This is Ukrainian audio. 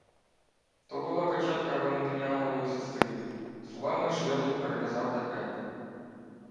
То була печатка Валентиніанової сестри. Словами ж євнух переказав таке: